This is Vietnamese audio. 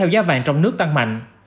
giá vàng trong nước tăng mạnh